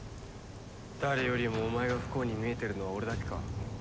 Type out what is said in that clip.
誰よりもお前が不幸に見えてるのは俺だけか？